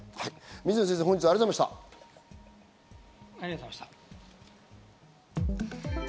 水野先生、本日はありがとうございました。